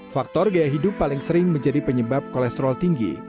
faktor gaya hidup paling sering menjadi penyebab kolesterol tinggi